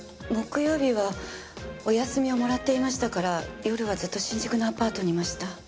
木曜日はお休みをもらっていましたから夜はずっと新宿のアパートにいました。